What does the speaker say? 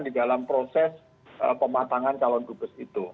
di dalam proses pematangan calon dubes itu